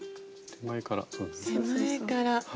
手前から。